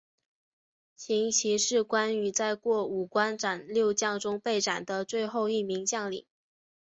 秦琪是关羽在过五关斩六将中被斩的最后一名将领。